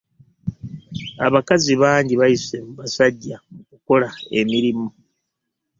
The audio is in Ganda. Abakazi bangi bayise ku basajja mu kukola emirimu.